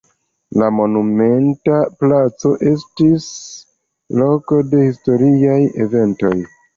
La monumenta placo estis loko de historiaj eventoj.